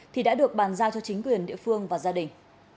thì đã được bàn giao cho chính quyền địa phương và gia đình